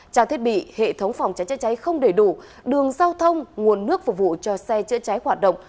trang thiết bị hệ thống phòng cháy chữa cháy không đầy đủ đường giao thông nguồn nước phục vụ cho xe chữa cháy hoạt động